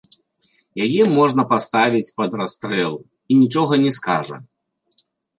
Яе можна паставіць пад расстрэл, і нічога не скажа.